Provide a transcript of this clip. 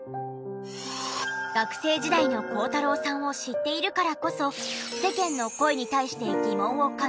学生時代の孝太郎さんを知っているからこそ世間の声に対して疑問を感じ